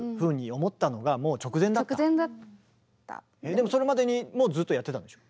でもそれまでにもずっとやってたんでしょ？